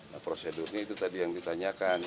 nah prosedurnya itu tadi yang ditanyakan